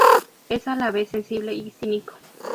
Es a la vez sensible y cínico.